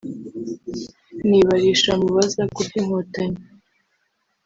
nibarisha mubaza ku by’Inkotanyi